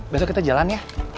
besok kita jalan ya